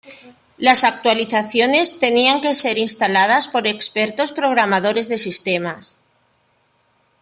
Las actualizaciones tenían que ser instaladas por expertos programadores de sistemas.